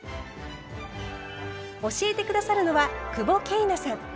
教えて下さるのは久保桂奈さん。